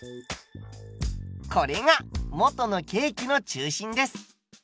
これが元のケーキの中心です。